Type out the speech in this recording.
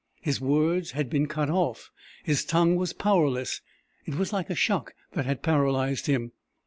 His words had been cut off, his tongue was powerless it was like a shock that had paralyzed him.